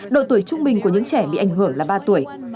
độ tuổi trung bình của những trẻ bị ảnh hưởng là ba tuổi